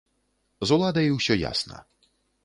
З уладай усё ясна.